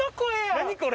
何これ！